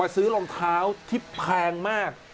ซื้อรองเท้าที่แพงมาก